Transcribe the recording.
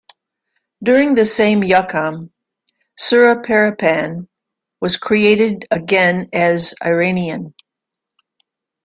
During the same Yukam, Suraparppan was created again as Iraniyan.